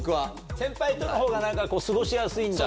先輩とのほうが過ごしやすいんだ？